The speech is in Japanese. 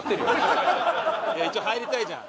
一応入りたいじゃん。